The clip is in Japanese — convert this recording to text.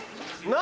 何？